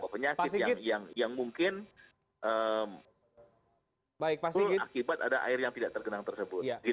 penyakit yang mungkin full akibat ada air yang tidak tergenang tersebut